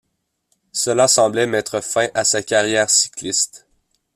Cela semblait mettre fin à sa carrière cycliste.